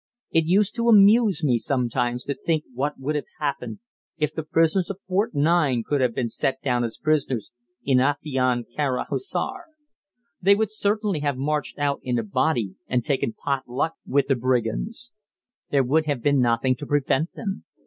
It used to amuse me sometimes to think what would have happened if the prisoners of Fort 9 could have been set down as prisoners in Afion Kara Hissar. They would certainly have marched out in a body and taken pot luck with the brigands. There would have been nothing to prevent them.